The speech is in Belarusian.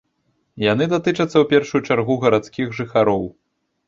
Яны датычацца ў першую чаргу гарадскіх жыхароў.